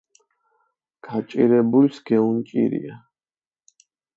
გაჭირებულს გეუნჭირია